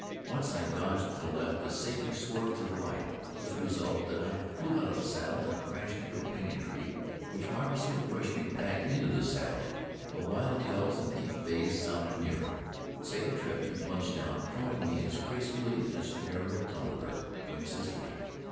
Once I dodged to the left, as Satan swerved to the right, with the result that I flew out of the saddle, and crashed into a pinyon tree, which marvelously brushed me back into the saddle. The wild yells and deep bays sounded nearer. Satan tripped and plunged down, throwing me as gracefully as an aerial tumbler wings his flight.